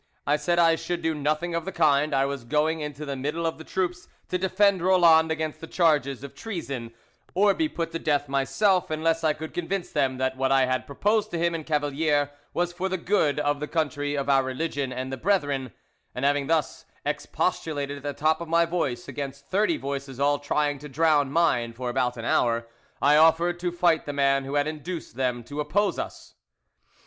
I said I should do nothing of the kind: I was going into the middle of the troops to defend Roland against the charge of treason, or be put to death myself, unless I could convince them that what I had proposed to him and Cavalier was for the good of the country, of our religion, and the brethren; and having thus expostulated at the top of my voice against thirty voices all trying to drown mine for about an hour, I offered to fight the man who had induced them to oppose us.